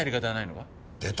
出た！